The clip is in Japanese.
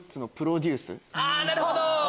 なるほど！